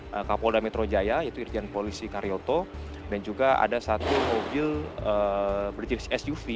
mobil kapolda metro jaya yaitu urgent policy karyoto dan juga ada satu mobil berjiris suv